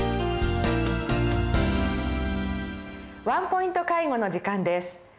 「ワンポイント介護」の時間です。